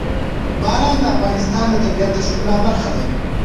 باران د افغانستان د طبیعت د ښکلا برخه ده.